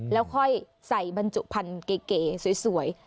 แล้วค่อยใส่บรรจุพันธุ์เก๋สวย